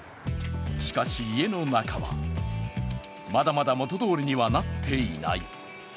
しかし家の中は、まだまだ元どおりにはなっていない。